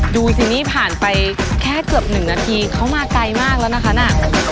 ดูสินี่ผ่านไปแค่เกือบ๑นาทีเขามาไกลมากแล้วนะคะน่ะ